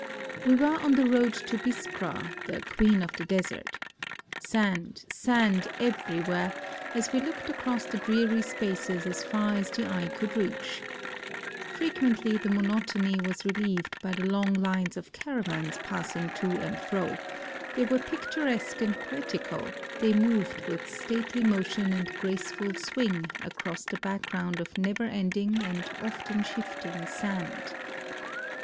We were on the road to Biskra, the "Queen of the Desert." Sand, sand everywhere, as we looked across the dreary spaces as far as the eye could reach. Frequently the monotony was relieved by the long lines of caravans passing to and fro; they were picturesque and poetical; they moved with stately motion and graceful swing across the background of never ending and often shifting sand.